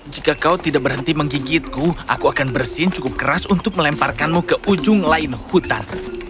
jika kau tidak berhenti menggigitku aku akan bersin cukup keras untuk melemparkanmu ke ujung lain hutan